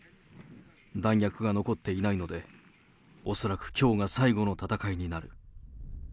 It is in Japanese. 弾薬が残っていないので、恐らくきょうが最後の戦いになる。